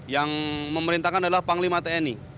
yang memerintahkan adalah panglima tni